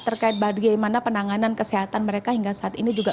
terkait bagaimana penanganan kesehatan mereka hingga saat ini juga